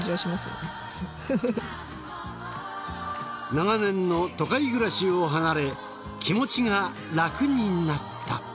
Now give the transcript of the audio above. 長年の都会暮らしを離れ気持ちが楽になった。